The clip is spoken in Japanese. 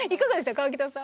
河北さん。